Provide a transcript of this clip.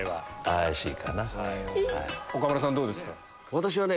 私はね